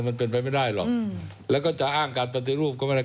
มันเป็นไปไม่ได้หรอกแล้วก็จะอ้างการปฏิรูปก็ไม่ได้